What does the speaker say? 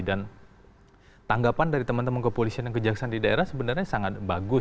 dan tanggapan dari teman teman kepolisian dan kejaksaan di daerah sebenarnya sangat bagus